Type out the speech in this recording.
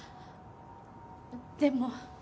でも。